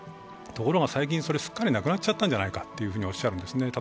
ところが最近すっかりなくなっちたんじゃないかと言ったんですね。